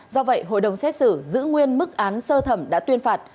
do vậy hội đồng xét xử giữ nguyên mức án sơ thẩm đã tuyên phạt